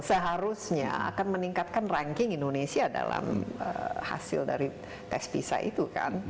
seharusnya akan meningkatkan ranking indonesia dalam hasil dari tes visa itu kan